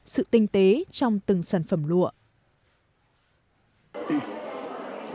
sự tinh tế trong từng sản phẩm lụa